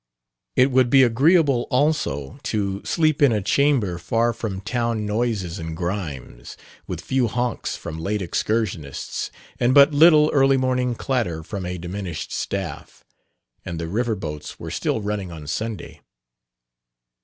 It would be agreeable also to sleep in a chamber far from town noises and grimes, with few honks from late excursionists and but little early morning clatter from a diminished staff. And the river boats were still running on Sunday.